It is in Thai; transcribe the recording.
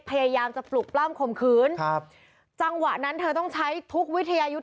พยายามจะปลุกปล้ำข่มขืนครับจังหวะนั้นเธอต้องใช้ทุกวิทยายุทธ์